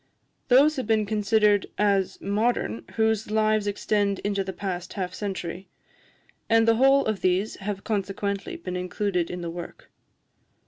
Those have been considered as modern whose lives extend into the past half century; and the whole of these have consequently been included in the work.